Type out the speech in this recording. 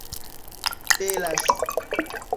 belas